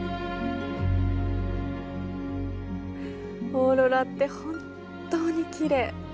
オーロラって本当にきれい。